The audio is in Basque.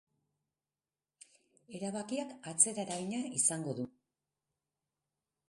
Erabakiak atzera eragina izango du.